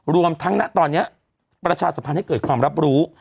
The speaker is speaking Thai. รวมทั้งนะตอนนี้ประชาสัมพันธ์ให้เกิดความรับรู้